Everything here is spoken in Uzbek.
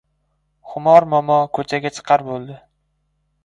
Xumor momo ko‘chaga chiqar bo‘ldi.